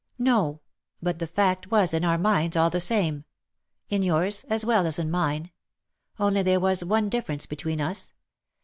^' "Noj but the fact was in our minds, all the same — in yours as well as in mine. Only there was one difference between us.